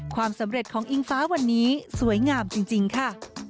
ความสำเร็จของอิงฟ้าวันนี้สวยงามจริงค่ะ